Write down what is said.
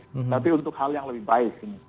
tapi untuk hal yang lebih baik